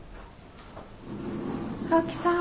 青木さん。